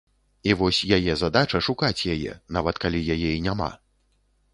І вось яе задача шукаць яе, нават калі яе і няма.